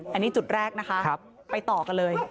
อันนี้จุดแรกนะคะไปต่อกันเลย